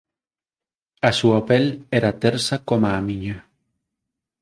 A súa pel era tersa coma a miña.